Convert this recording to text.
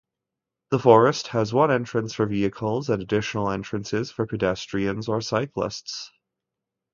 The forest has one entrance for vehicles and additional entrances for pedestrians or cyclists.